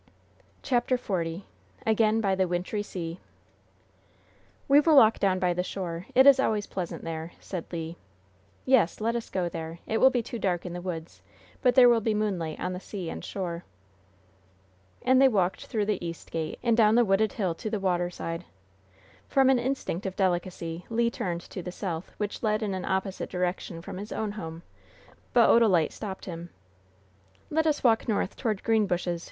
CHAPTER XL AGAIN BY THE WINTRY SEA "We will walk down by the shore; it is always pleasant there," said Le. "Yes, let us go there. It will be too dark in the woods, but there will be moonlight on the sea and shore." And they walked through the east gate, and down the wooded hill to the water side. From an instinct of delicacy, Le turned to the south, which led in an opposite direction from his own home; but Odalite stopped him. "Let us walk north, toward Greenbushes.